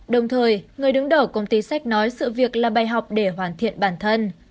đồng thời người đứng đầu công ty sách nói sự việc là bài học để hoàn thiện bản thân